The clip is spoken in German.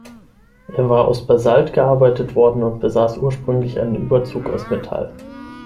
Es war aus Basalt gearbeitet worden und besaß ursprünglich einen Überzug aus Metall.